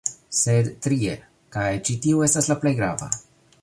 Sed trie, kaj ĉi tiu estas la plej grava